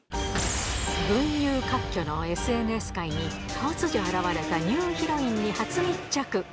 群雄割拠のＳＮＳ界に、突如現れたニューヒロインに初密着。